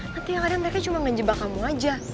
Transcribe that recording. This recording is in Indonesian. nanti kadang kadang mereka cuma ngejebak kamu aja